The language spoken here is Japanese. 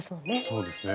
そうですね。